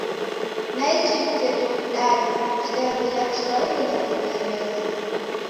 Naichi viteto vidadu: Kidaw'ida, Kiswahili na Kingereza.